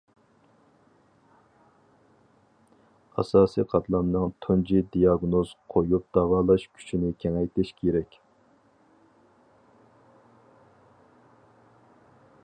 ئاساسىي قاتلامنىڭ تۇنجى دىياگنوز قويۇپ داۋالاش كۈچىنى كېڭەيتىش كېرەك.